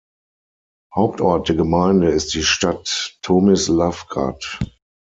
Hauptort der Gemeinde ist die Stadt Tomislavgrad.